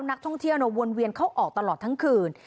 นักท่องเที่ยววนเวียนเข้าออกตลอดทั้งคืน